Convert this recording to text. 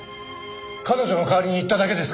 彼女の代わりに言っただけですから。